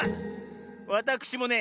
わたくしもね